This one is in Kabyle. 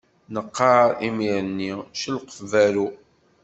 Neqqaṛ imir-nni celqef berru.